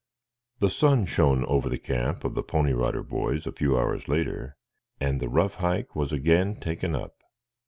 The sun shone over the camp of the Pony Rider Boys a few hours later, and the rough hike was again taken up.